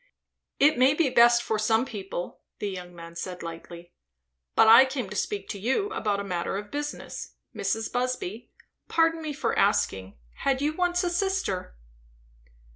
"It may be best for some people," the young man said lightly. "But I came to speak to you about a matter of business. Mrs. Busby, pardon me for asking, had you once a sister?"